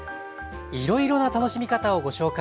いろいろな楽しみ方をご紹介します。